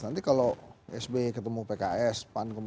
nanti kalau sby ketemu pks pan